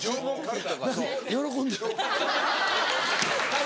何喜んでる？